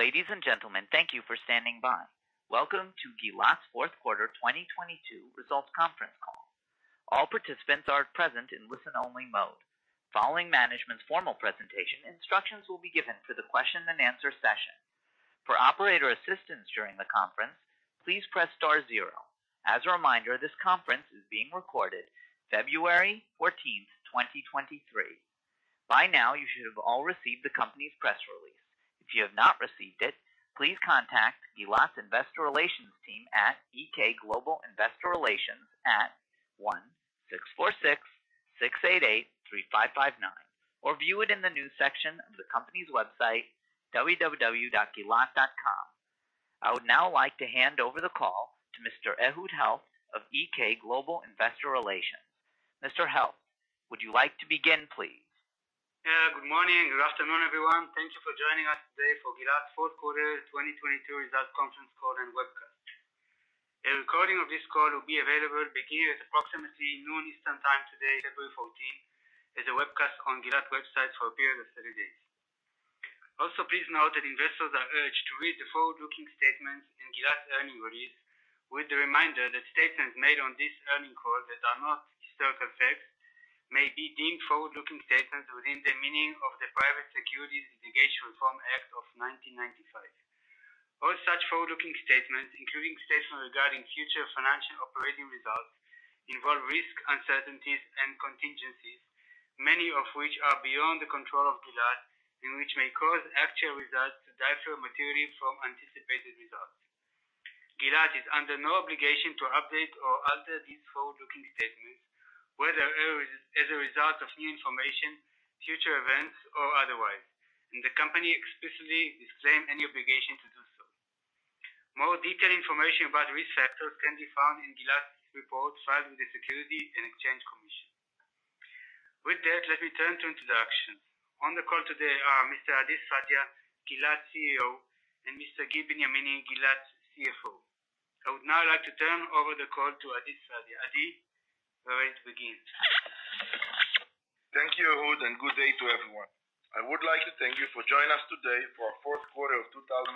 Ladies and gentlemen, thank you for standing by. Welcome to Gilat's Q4 2022 results conference call. All participants are present in listen only mode. Following management's formal presentation, instructions will be given for the question and answer session. For operator assistance during the conference, please press star zero. As a reminder, this conference is being recorded February 14th, 2023. By now, you should have all received the company's press release. If you have not received it, please contact Gilat Investor Relations team at GK Investor Relations at 1-646-688-3559, or view it in the news section of the company's website www.gilat.com. I would now like to hand over the call to Mr. Ehud Helft of GK Investor Relations. Mr. Helft, would you like to begin, please? Yeah, good morning. Good afternoon, everyone. Thank you for joining us today for Gilat's Q4 2022 results conference call and webcast. A recording of this call will be available beginning at approximately noon Eastern Time today, February 14th, as a webcast on Gilat website for a period of 30 days. Please note that investors are urged to read the forward-looking statements in Gilat's earning release with the reminder that statements made on this earning call that are not historical facts may be deemed forward-looking statements within the meaning of the Private Securities Litigation Reform Act of 1995. All such forward-looking statements, including statements regarding future financial operating results, involve risks, uncertainties and contingencies, many of which are beyond the control of Gilat and which may cause actual results to differ materially from anticipated results. Gilat is under no obligation to update or alter these forward-looking statements, whether as a result of new information, future events or otherwise, and the company explicitly disclaim any obligation to do so. More detailed information about risk factors can be found in Gilat's reports filed with the Securities and Exchange Commission. Let me turn to introductions. On the call today are Mr. Adi Sfadia, Gilat CEO, and Mr. Gil Benyamini, Gilat CFO. I would now like to turn over the call to Adi Sfadia. Adi, go right to begin. Thank you, Ehud. Good day to everyone. I would like to thank you for joining us today for our Q4 of 2022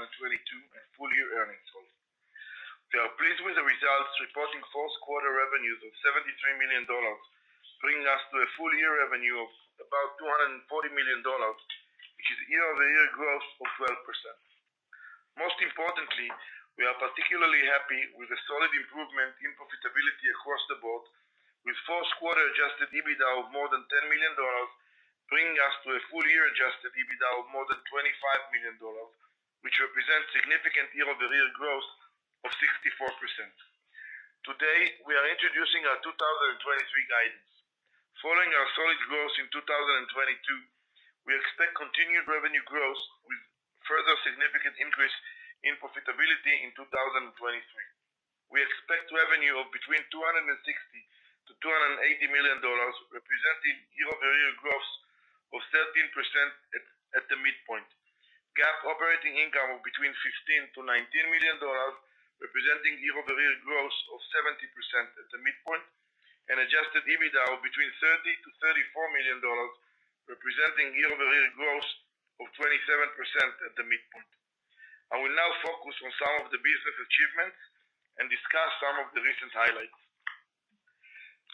and full year earnings call. We are pleased with the results, reporting Q4 revenues of $73 million, bringing us to a full year revenue of about $240 million, which is year-over-year growth of 12%. Most importantly, we are particularly happy with the solid improvement in profitability across the board with Q4 adjusted EBITDA of more than $10 million, bringing us to a full year adjusted EBITDA of more than $25 million, which represents significant year-over-year growth of 64%. Today, we are introducing our 2023 guidance. Following our solid growth in 2022, we expect continued revenue growth with further significant increase in profitability in 2023. We expect revenue of between $260 million-$280 million, representing year-over-year growth of 13% at the midpoint. GAAP operating income of between $15 million-$19 million, representing year-over-year growth of 70% at the midpoint. Adjusted EBITDA of between $30 million-$34 million, representing year-over-year growth of 27% at the midpoint. I will now focus on some of the business achievements and discuss some of the recent highlights.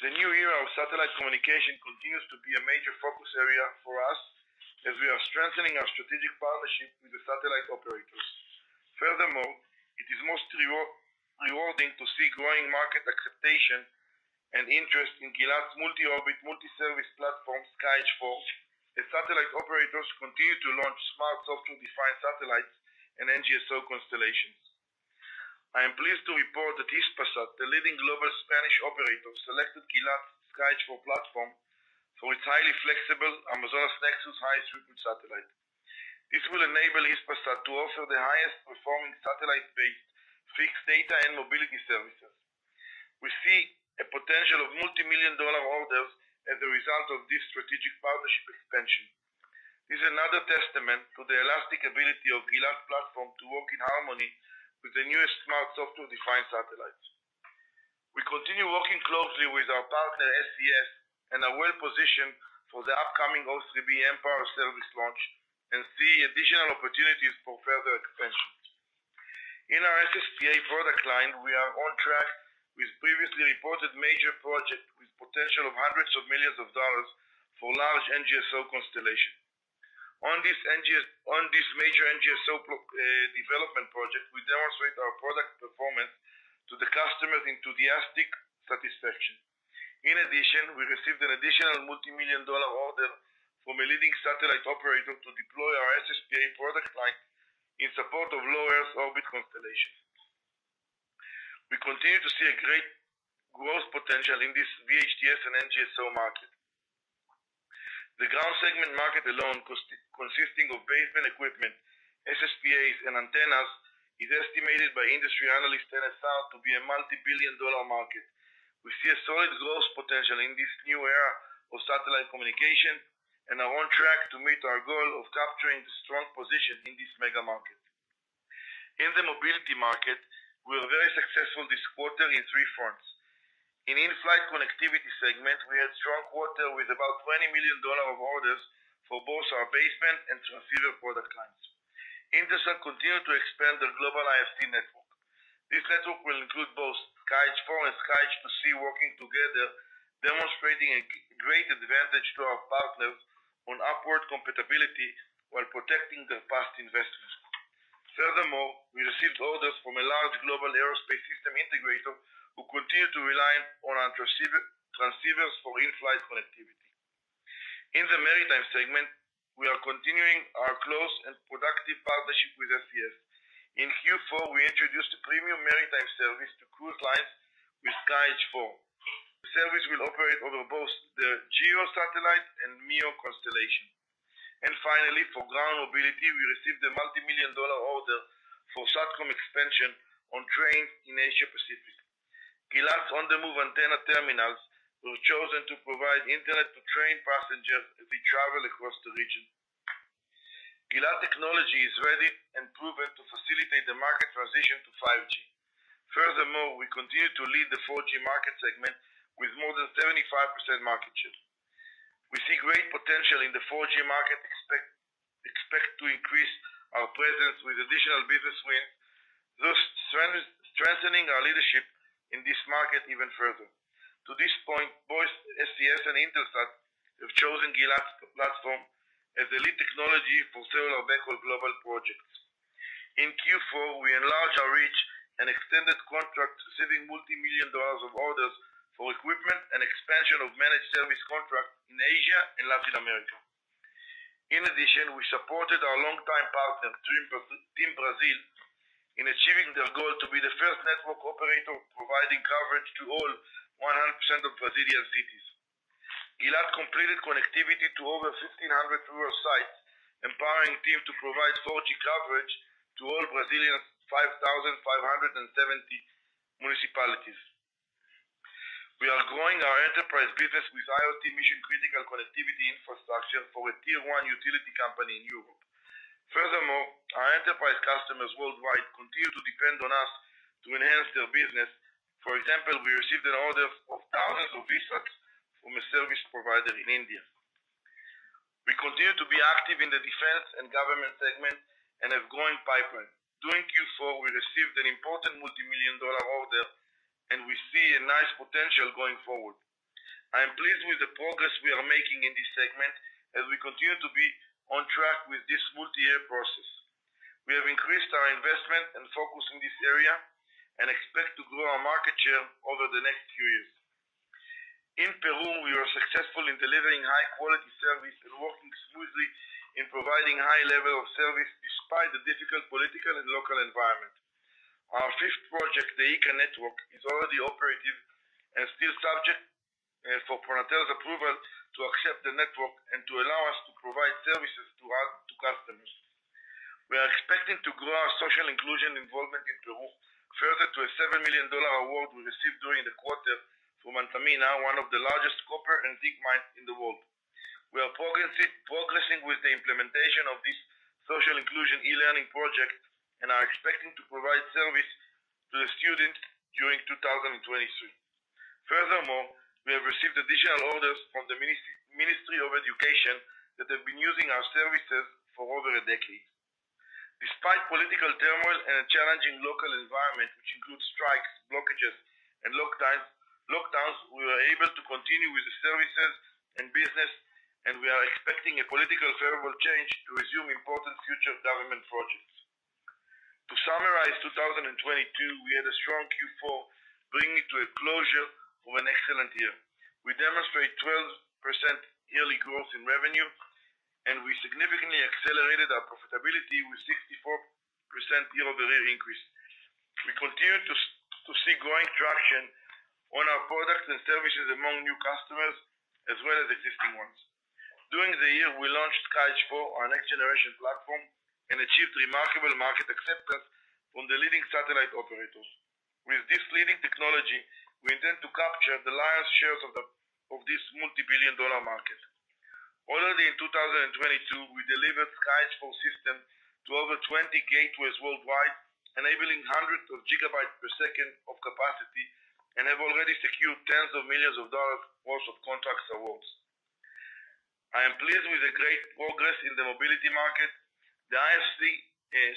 The new era of satellite communication continues to be a major focus area for us as we are strengthening our strategic partnership with the satellite operators. Furthermore, it is most rewarding to see growing market acceptation and interest in Gilat's multi-orbit, multi-service platform, SkyEdge IV, as satellite operators continue to launch smart software-defined satellites and NGSO constellations. I am pleased to report that Hispasat, the leading global Spanish operator, selected Gilat's SkyEdge IV platform for its highly flexible Amazonas Nexus high throughput satellite. This will enable Hispasat to offer the highest performing satellite-based fixed data and mobility services. We see a potential of multi-million dollar orders as a result of this strategic partnership expansion. This is another testament to the elastic ability of Gilat platform to work in harmony with the newest smart software-defined satellites. We continue working closely with our partner, SES, and are well-positioned for the upcoming O3b mPOWER service launch and see additional opportunities for further expansion. In our SSPA product line, we are on track with previously reported major project with potential of hundreds of millions of dollars for large NGSO constellation. On this major NGSO development project, we demonstrate our product performance to the customers' enthusiastic satisfaction. In addition, we received an additional multi-million dollar order from a leading satellite operator to deploy our SSPA product line in support of low Earth orbit constellations. We continue to see a great growth potential in this VHTS and NGSO market. The ground segment market alone consisting of Baseband Equipment, SSPAs and antennas, is estimated by industry analyst NSR to be a multi-billion dollar market. We see a solid growth potential in this new era of satellite communication and are on track to meet our goal of capturing the strong position in this mega market. In the mobility market, we were very successful this quarter in three fronts. In-flight connectivity segment, we had strong quarter with about $20 million of orders for both our baseband and transceiver product lines. Intelsat continued to expand their global IFC network. This network will include both SkyEdge IV and SkyEdge II-c working together, demonstrating a great advantage to our partners on upward compatibility while protecting their past investments. Furthermore, we received orders from a large global aerospace system integrator who continue to rely on our transceivers for inflight connectivity. In the maritime segment, we are continuing our close and productive partnership with SES. In Q4, we introduced a premium maritime service to cruise lines with SkyEdge IV. The service will operate over both the GEO satellite and MEO constellation. Finally, for ground mobility, we received a $multi-million dollar order for SATCOM expansion on trains in Asia Pacific. Gilat's on-the-move antenna terminals were chosen to provide internet to train passengers as they travel across the region. Gilat technology is ready and proven to facilitate the market transition to 5G. Furthermore, we continue to lead the 4G market segment with more than 75% market share. We see great potential in the 4G market, expect to increase our presence with additional business wins, thus strengthening our leadership in this market even further. To this point, both SES and Intelsat have chosen Gilat's platform as the lead technology for several backhaul global projects. In Q4, we enlarged our reach and extended contracts receiving Multi-million Dollar Orders for equipment and expansion of managed service contracts in Asia and Latin America. We supported our longtime partner, TIM Brasil, in achieving their goal to be the first network operator providing coverage to all 100% of Brazilian cities. Gilat completed connectivity to over 1,500 rural sites, empowering TIM to provide 4G coverage to all Brazilian 5,570 municipalities. We are growing our enterprise business with IoT mission-critical connectivity infrastructure for a tier-one utility company in Europe. Our enterprise customers worldwide continue to depend on us to enhance their business. We received an order of thousands of VSATs from a service provider in India. We continue to be active in the defense and government segment and have growing pipeline. During Q4, we received an important multi-million dollar order, and we see a nice potential going forward. I am pleased with the progress we are making in this segment as we continue to be on track with this multi-year process. We have increased our investment and focus in this area and expect to grow our market share over the next few years. In Peru, we were successful in delivering high-quality service and working smoothly in providing high level of service despite the difficult political and local environment. Our fifth project, the Ica Network, is already operative and still subject for Pronatel's approval to accept the network and to allow us to provide services to our customers. We are expecting to grow our social inclusion involvement in Peru further to a $7 million award we received during the quarter from Antamina, one of the largest copper and zinc mines in the world. We are progressing with the implementation of this social inclusion e-learning project and are expecting to provide service to the students during 2023. We have received additional orders from the Ministry of Education that have been using our services for over a decade. Despite political turmoil and a challenging local environment, which includes strikes, blockages, and lockdowns, we were able to continue with the services and business. We are expecting a political favorable change to resume important future government projects. To summarize 2022, we had a strong Q4, bringing to a closure of an excellent year. We demonstrate 12% yearly growth in revenue, and we significantly accelerated our profitability with 64% year-over-year increase. We continue to see growing traction on our products and services among new customers as well as existing ones. During the year, we launched SkyEdge IV, our next-generation platform, and achieved remarkable market acceptance from the leading satellite operators. With this leading technology, we intend to capture the lion's shares of this multi-billion dollar market. Already in 2022, we delivered SkyEdge IV system to over 20 gateways worldwide, enabling hundreds of gigabytes per second of capacity and have already secured tens of millions of dollars worth of contracts awards. I am pleased with the great progress in the mobility market. The IFC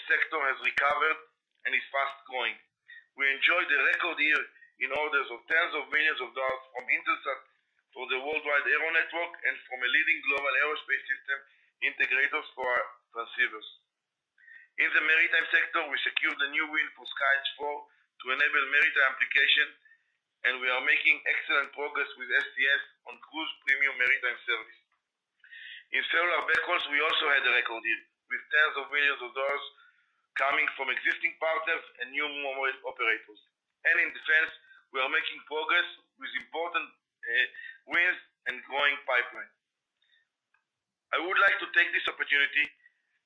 sector has recovered and is fast-growing. We enjoyed a record year in orders of tens of millions of dollars from Intelsat for the worldwide aero network and from a leading global aerospace system integrators for our transceivers. In the maritime sector, we secured a new win for SkyEdge IV to enable maritime application, and we are making excellent progress with SCS on cruise premium maritime service. In cellular backhauls, we also had a record year with tens of millions of dollars coming from existing partners and new Mobile Operators. In defense, we are making progress with important wins and growing pipeline. I would like to take this opportunity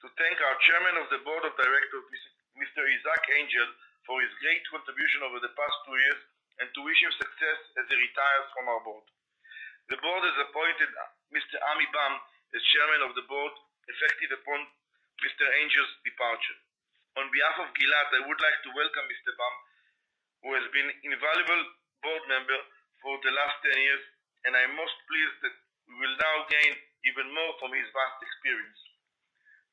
to thank our Chairman of the Board of Directors, Mr. Isaac Angel, for his great contribution over the past two years and to wish him success as he retires from our board. The board has appointed Mr. Ami Boehm as Chairman of the Board, effective upon Mr. Angel's departure. On behalf of Gilat, I would like to welcome Mr. Boehm, who has been invaluable board member for the last 10 years. I'm most pleased that we will now gain even more from his vast experience.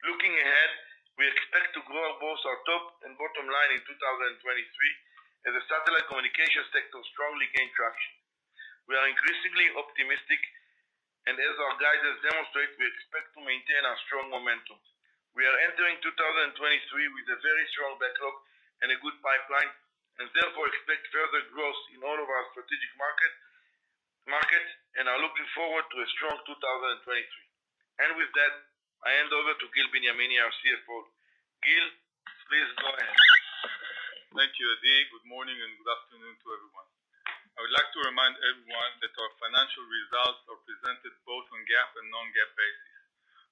Looking ahead, we expect to grow both our top and bottom line in 2023 as the satellite communications sector strongly gain traction. We are increasingly optimistic, and as our guidance demonstrate, we expect to maintain our strong momentum. We are entering 2023 with a very strong backlog and a good pipeline. Therefore, expect further growth in all of our strategic market, and are looking forward to a strong 2023. With that, I hand over to Gil Benyamini, our CFO. Gil, please go ahead. Thank you, Adi Sfadia. Good morning and good afternoon to everyone. I would like to remind everyone that our financial results are presented both on GAAP and non-GAAP basis.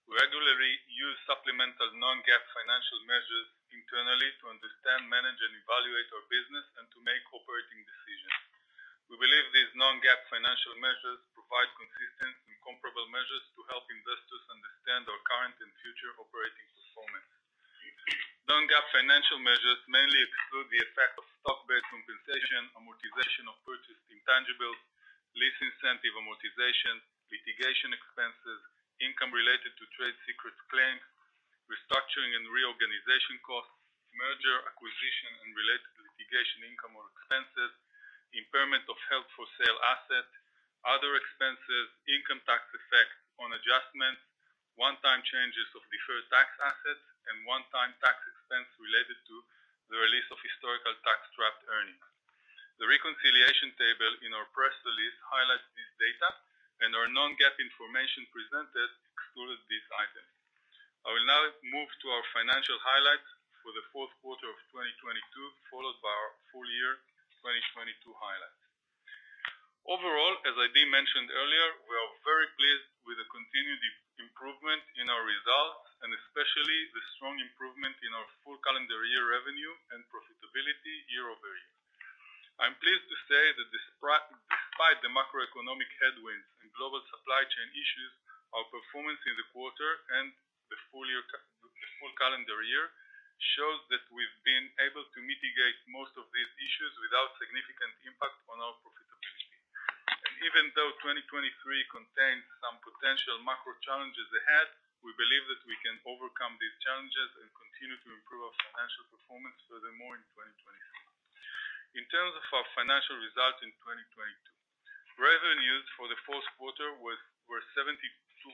We regularly use supplemental non-GAAP financial measures internally to understand, manage, and evaluate our business and to make operating decisions. We believe these non-GAAP financial measures provide consistent and comparable measures to help investors understand our current and future operating performance. Non-GAAP financial measures mainly exclude the effect of stock-based compensation, amortization of purchased intangibles, lease incentive amortization, litigation expenses, income related to trade secrets claims, restructuring and reorganization costs, merger, acquisition, and related litigation income or expenses, impairment of held-for-sale assets, other expenses, income tax effects on adjustments, one-time changes of deferred tax assets, and one-time tax expense related to the release of historical tax trapped earnings. The reconciliation table in our press release highlights this data and our non-GAAP information presented excluded these items. I will now move to our financial highlights for the Q4 of 2022, followed by our full year 2022 highlights. Overall, as Adi mentioned earlier, we are very pleased with the continued improvement in our results, and especially the strong improvement in our full calendar year revenue and profitability year-over-year. I'm pleased to say that despite the macroeconomic headwinds and global supply chain issues, our performance in the quarter and the full calendar year shows that we've been able to mitigate most of these issues without significant impact on our profitability. Even though 2023 contains some potential macro challenges ahead, we believe that we can overcome these challenges and continue to improve our financial performance furthermore in 2023. In terms of our financial results in 2022, revenues for the Q4 were $72.6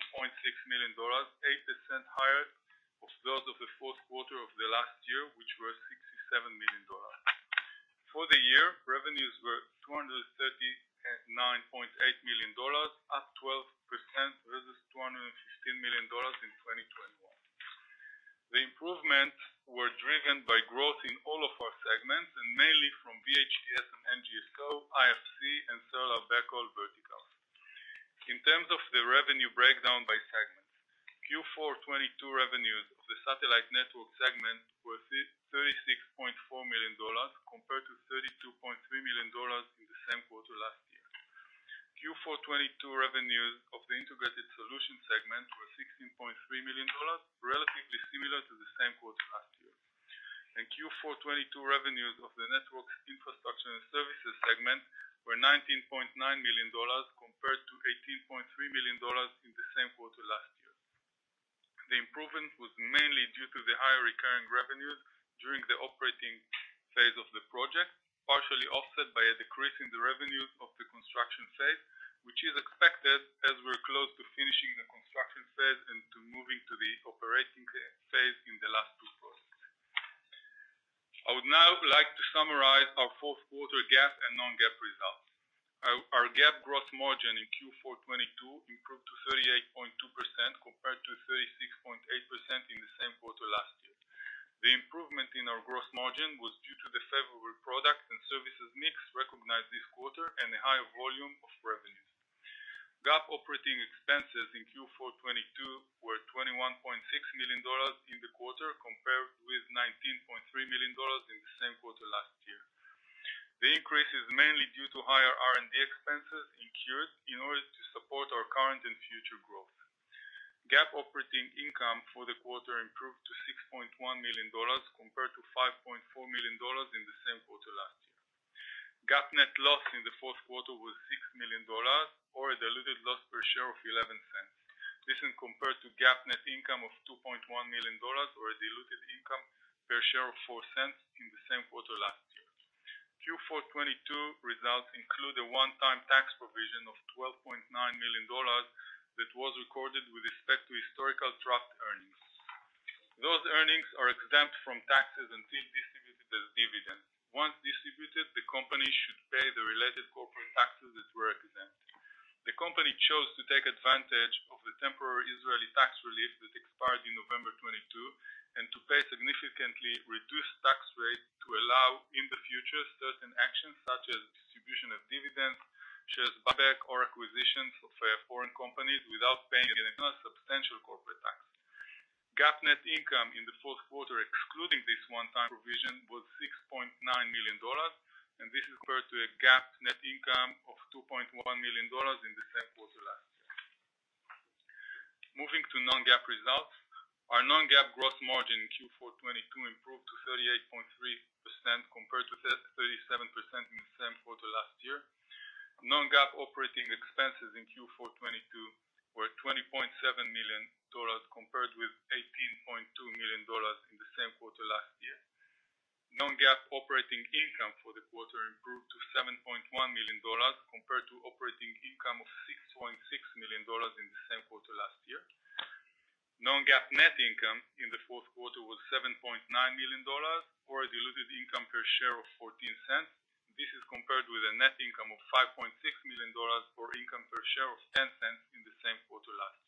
million, 8% higher of those of the Q4 of the last year, which were $67 million. For the year, revenues were $239.8 million, up 12% versus $215 million in 2021. The improvements were driven by growth in all of our segments, and mainly from VHTS and NGSO, IFC, and cellular backhaul verticals. In terms of the revenue breakdown by segment, Q4 2022 revenues of the satellite network segment were $36.4 million compared to $32.3 million in the same quarter last year. Q4 2022 revenues of the integrated solution segment were $16.3 million, relatively similar to the same quarter last year. Q4 2022 revenues of the networks infrastructure and services segment were $19.9 million compared to $18.3 million in the same quarter last year. The improvement was mainly due to the higher recurring revenues during the operating phase of the project, partially offset by a decrease in the revenues of the construction phase, which is expected as we're close to finishing the construction phase and to moving to the operating phase in the last two quarters. I would now like to summarize our Q4 GAAP and non-GAAP results. Our GAAP gross margin in Q4 2022 improved to 38.2% compared to 36.8% in the same quarter last year. The improvement in our gross margin was due to the favorable product and services mix recognized this quarter and a higher volume of revenues. GAAP operating expenses in Q4 2022 were $21.6 million in the quarter compared with $19.3 million in the same quarter last year. The increase is mainly due to higher R&D expenses in Q in order to support our current and future growth. GAAP operating income for the quarter improved to $6.1 million compared to $5.4 million in the same quarter last year. GAAP net loss in the Q4 was $6 million or a diluted loss per share of $0.11. This is compared to GAAP net income of $2.1 million or a diluted income per share of $0.04 in the same quarter last year. Q4 2022 results include a one-time tax provision of $12.9 million that was recorded with respect to historical trapped earnings. Those earnings are exempt from taxes until distributed as dividends. Once distributed, the company should pay the related corporate taxes that were exempt. The company chose to take advantage of the temporary Israeli tax relief that expired in November 2022, to pay significantly reduced tax rate to allow, in the future, certain actions such as distribution of dividends, shares buyback, or acquisitions of foreign companies withoutIncome in the Q4, excluding this one-time provision, was $6.9 million, and this is compared to a GAAP net income of $2.1 million in the same quarter last year. Moving to non-GAAP results. Our non-GAAP gross margin in Q4 2022 improved to 38.3% compared to 37% in the same quarter last year. Non-GAAP operating expenses in Q4 2022 were $20.7 million, compared with $18.2 million in the same quarter last year. Non-GAAP operating income for the quarter improved to $7.1 million compared to operating income of $6.6 million in the same quarter last year. Non-GAAP net income in the fourth quarter was $7.9 million or a diluted income per share of $0.14. This is compared with a net income of $5.6 million or income per share of $0.10 in the same quarter last year.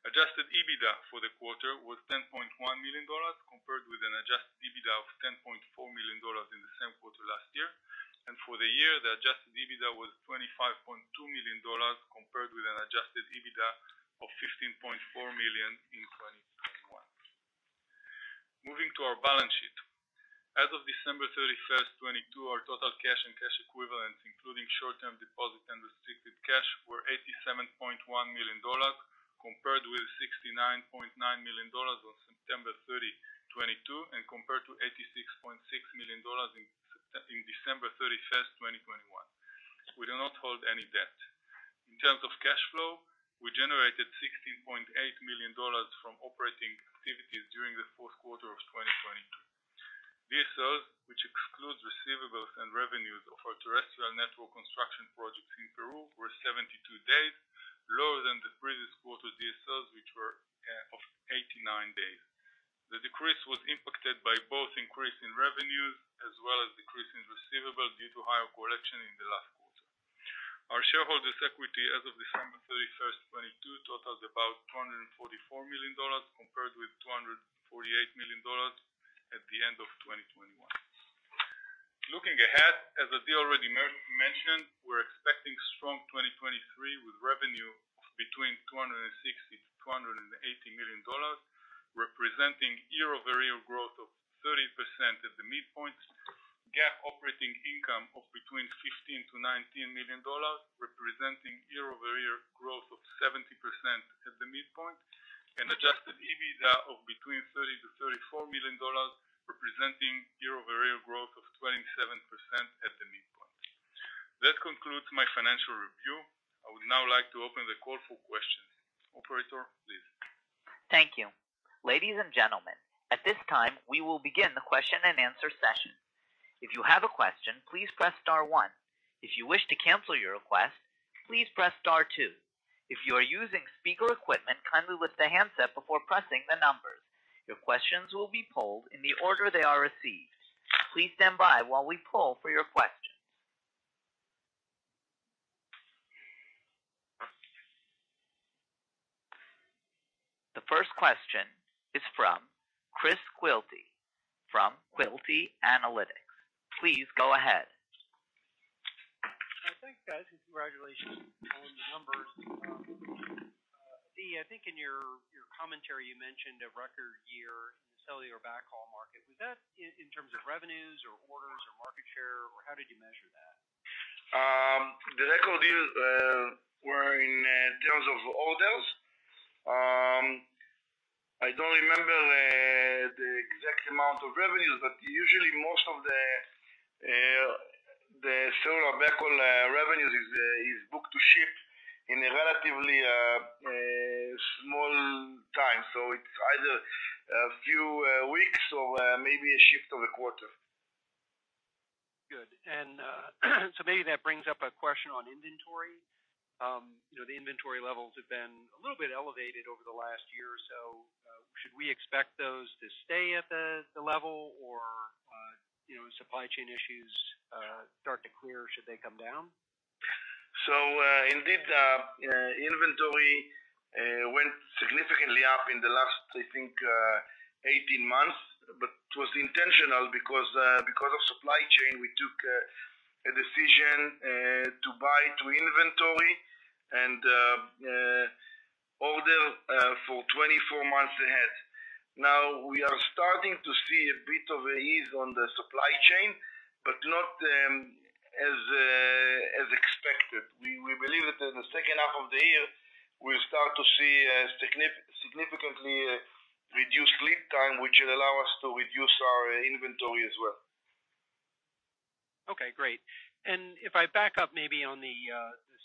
Adjusted EBITDA for the quarter was $10.1 million, compared with an adjusted EBITDA of $10.4 million in the same quarter last year. For the year, the adjusted EBITDA was $25.2 million, compared with an adjusted EBITDA of $15.4 million in 2021. Moving to our balance sheet. As of December 31, 2022, our total cash and cash equivalents, including short-term deposits and restricted cash, were $87.1 million, compared with $69.9 million on September 30, 2022, and compared to $86.6 million in December 31, 2021. We do not hold any debt. In terms of cash flow, we generated $16.8 million from operating activities during the Q4 of 2022. DSOs, which excludes receivables and revenues of our terrestrial network construction projects in Peru, were 72 days, lower than the previous quarter's DSOs which were of 89 days. The decrease was impacted by both increase in revenues as well as decrease in receivables due to higher collection in the last quarter. Our shareholders equity as of December 31st, 2022, totals about $244 million, compared with $248 million at the end of 2021. Looking ahead, as Adi already mentioned, we're expecting strong 2023, with revenue of between $260 million-$280 million, representing year-over-year growth of 30% at the midpoint. GAAP operating income of between $15 million-$19 million, representing year-over-year growth of 70% at the midpoint. Adjusted EBITDA of between $30 million-$34 million, representing year-over-year growth of 27% at the midpoint. That concludes my financial review. I would now like to open the call for questions. Operator, please. Thank you. Ladies and gentlemen, at this time, we will begin the question and answer session. If you have a question, please press star one. If you wish to cancel your request, please press star two. If you are using speaker equipment, kindly lift the handset before pressing the numbers. Your questions will be polled in the order they are received. Please stand by while we poll for your questions. The first question is from Chris Quilty from Quilty Analytics. Please go ahead. Thanks, guys, and congratulations on the numbers. Adi, I think in your commentary, you mentioned a record year in the cellular backhaul market. Was that in terms of revenues or orders or market share, or how did you measure that? The record year, were in terms of orders. I don't remember the exact amount of revenues, but usually most of the cellular backhaul revenues is booked to ship in a relatively small time. It's either a few weeks or maybe a shift of a quarter. Good. So maybe that brings up a question on inventory. You know, the inventory levels have been a little bit elevated over the last year or so. Should we expect those to stay at the level or, you know, supply chain issues, start to clear, should they come down? Indeed, inventory went significantly up in the last, I think, 18 months, but it was intentional because of supply chain, we took a decision to buy to inventory and order for 24 months ahead. Now, we are starting to see a bit of a ease on the supply chain, but not as expected. We believe that in the second half of the year, we'll start to see a significantly reduced lead time, which will allow us to reduce our inventory as well. Okay, great. If I back up maybe on the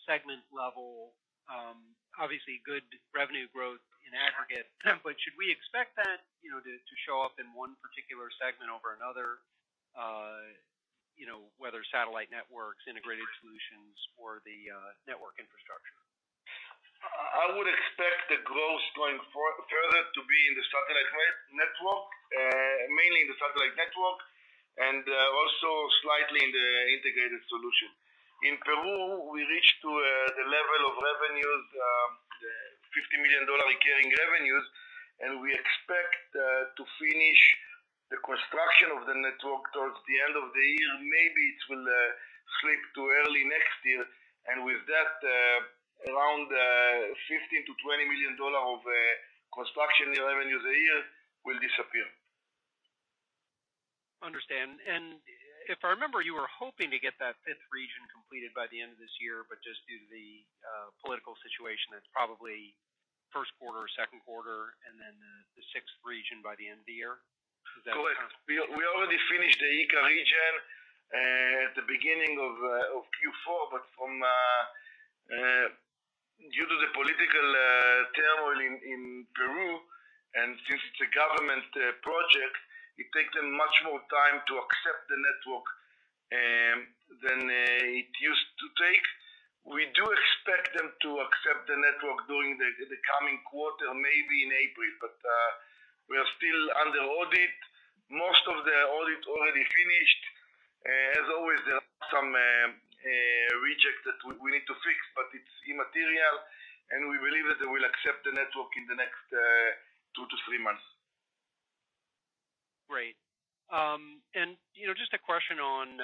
segment level, obviously good revenue growth in aggregate. Should we expect that, you know, to show up in one particular segment over another, you know, whether satellite networks, integrated solutions or the network infrastructure? I would expect the growth going further to be in the satellite network, mainly in the satellite network, and also slightly in the integrated solution. In Peru, we reached to the level of revenues, the $50 million recurring revenues, and we expectThe end of the year, maybe it will slip to early next year. With that, around $15 million-$20 million of construction revenues a year will disappear. Understand. If I remember, you were hoping to get that 5th region completed by the end of this year, but just due to the political situation, that's probably Q1 or Q2, and then the 6th region by the end of the year. Is that? Correct. We already finished the Ica region at the beginning of Q4. From due to the political turmoil in Peru, and since it's a government project, it takes them much more time to accept the network than it used to take. We do expect them to accept the network during the coming quarter, maybe in April. We are still under audit. Most of the audit already finished. As always, there are some rejects that we need to fix, but it's immaterial, and we believe that they will accept the network in the next 2-3 months. Great. You know, just a question on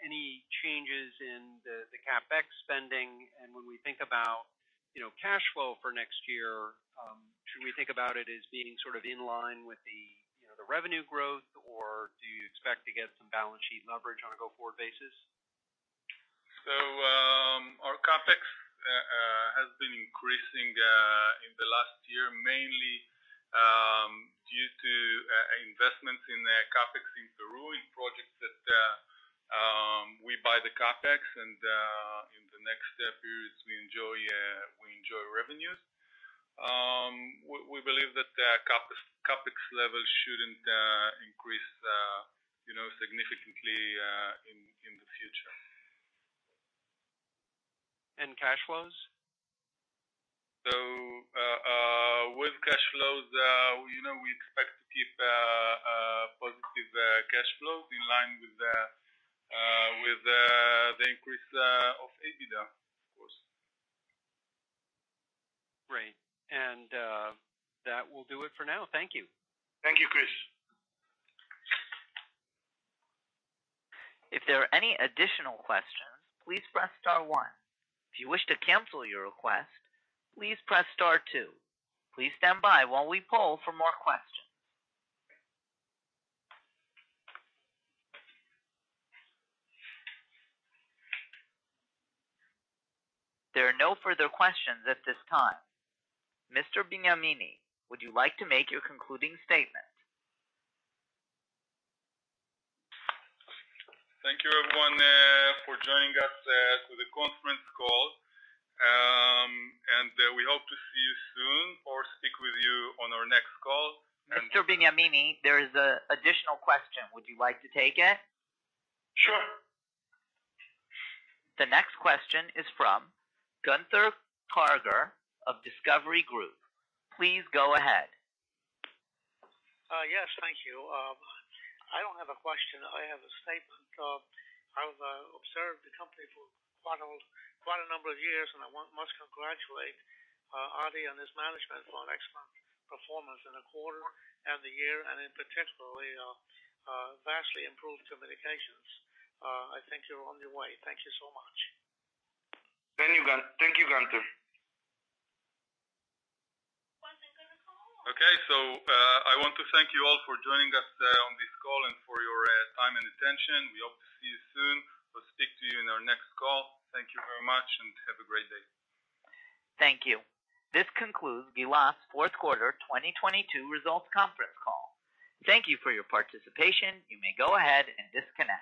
any changes in the CapEx spending. When we think about, you know, cash flow for next year, should we think about it as being sort of in line with the, you know, the revenue growth, or do you expect to get some balance sheet leverage on a go-forward basis? Our CapEx has been increasing in the last year, mainly due to investments in the CapEx in Peru in projects that we buy the CapEx and in the next periods we enjoy revenues. We believe that the CapEx levels shouldn't increase, you know, significantly in the future. Cash flows? With cash flows, you know, we expect to keep positive cash flows in line with the increase of EBITDA, of course. Great. That will do it for now. Thank you. Thank you, Chris. If there are any additional questions, please press star one. If you wish to cancel your request, please press star two. Please stand by while we poll for more questions. There are no further questions at this time. Mr. Benyamini, would you like to make your concluding statement? Thank you everyone, for joining us, to the conference call. We hope to see you soon or speak with you on our next call. Mr. Benyamini, there is a additional question. Would you like to take it? Sure. The next question is from Gunther Karger of Discovery Group. Please go ahead. Yes, thank you. I don't have a question. I have a statement. I've observed the company for quite a number of years, and I must congratulate Adi and his management for an excellent performance in the quarter and the year, and in particular, the vastly improved communications. I think you're on your way. Thank you so much. Thank you, Gunther. One moment. Okay. I want to thank you all for joining us on this call and for your time and attention. We hope to see you soon or speak to you in our next call. Thank you very much, and have a great day. Thank you. This concludes Gilat's Q4 2022 results conference call. Thank you for your participation. You may go ahead and disconnect.